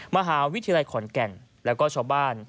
มหาวิทยาลัยขอนแก่นแล้วก็ชาวบ้าน